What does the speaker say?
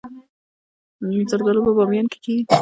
زردالو په بامیان کې کیږي